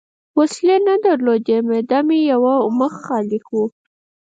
وسلې نه درلودې، معده مې یو مخ خالي وه.